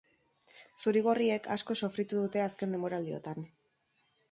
Zuri-gorriek asko sofritu dute azken denboraldiotan.